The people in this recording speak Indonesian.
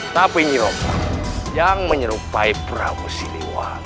tapi nyiromba yang menyerupai prabu siliwangi